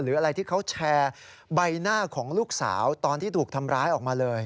หรืออะไรที่เขาแชร์ใบหน้าของลูกสาวตอนที่ถูกทำร้ายออกมาเลย